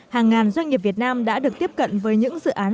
hàng ngàn doanh nghiệp việt nam đã được tiếp cận với những dự án